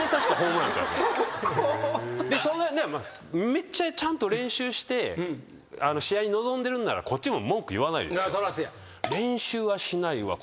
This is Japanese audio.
めっちゃちゃんと練習して試合に臨んでるんならこっちも文句言わないですよ。